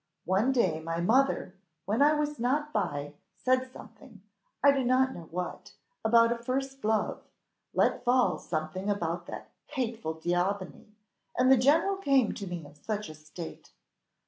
One day my mother, when I was not by, said something I do not know what, about a first love, let fall something about that hateful D'Aubigny, and the general came to me in such a state!